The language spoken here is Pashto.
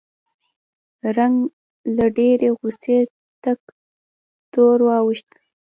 رنګ یې له ډېرې غوسې تک تور واوښت